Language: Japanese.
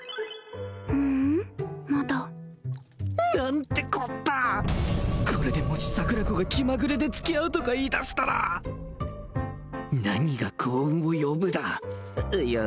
ううんまだ何てこったこれでもし桜子が気まぐれで付き合うとか言いだしたら何が幸運を呼ぶだいや